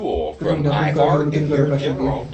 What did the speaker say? সুতরাং যা প্রিন্ট করা হয় সেগুলো তৈরি হয় প্লাস্টিক দিয়ে।